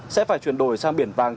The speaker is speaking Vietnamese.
sẽ phải chuyển đổi sang biển vàng